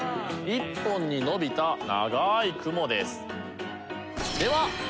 一本に伸びた長い雲です。